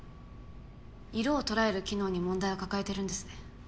色を捉える機能に問題を抱えているんですね。